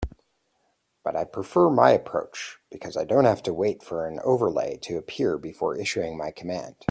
But I prefer my approach because I don't have to wait for an overlay to appear before issuing my command.